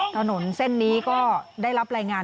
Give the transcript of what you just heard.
ถนนเส้นนี้ก็ได้รับรายงาน